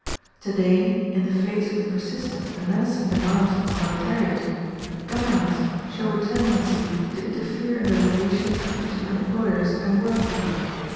Today in the face of the persistent and menacing demands of the proletariat, governments show a tendency to interfere in the relations between employers and work people.